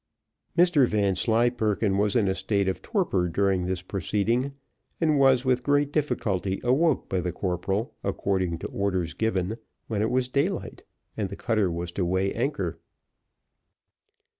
Mr Vanslyperken was in a state of torpor during this proceeding, and was, with great difficulty, awoke by the corporal, according to orders given, when it was daylight, and the cutter was to weigh anchor.